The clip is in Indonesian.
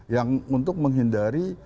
yang untuk menghindari